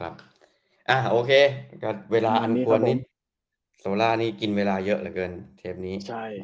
อะโอเคเวลาอันนี้กินเวลาเยอะเหลือเกินเทปนี้